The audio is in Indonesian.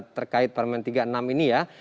terkait permen tiga puluh enam ini ya